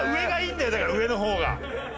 だから上の方が。